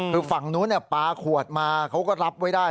คือฝั่งนู้นปลาขวดมาเขาก็รับไว้ได้